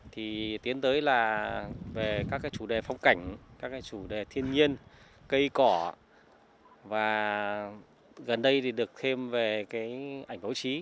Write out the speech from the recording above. thì tiến tới là về các cái chủ đề phong cảnh các cái chủ đề thiên nhiên cây cỏ và gần đây thì được thêm về cái ảnh báo chí